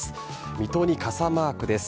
水戸に傘マークです。